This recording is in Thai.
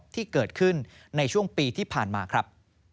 ที่เกิดขึ้นในช่วงปีที่ผ่านมาครับ